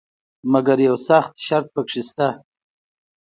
مګر یو سخت شرط پکې شته.